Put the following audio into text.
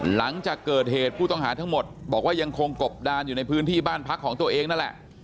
หลังจากเกิดเหตุผู้ต้องหาทั้งหมดบอกว่ายังคงกบดานอยู่ในพื้นที่บ้านพักของตัวเองนั่นแหละ